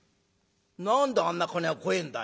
「何であんな金が怖えんだよ？」。